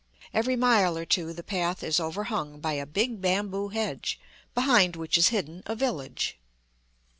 Every mile or two the path is overhung by a big bamboo hedge, behind which is hidden a village.